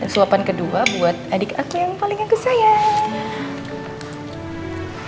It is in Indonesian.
suapan kedua buat adik aku yang paling aku sayang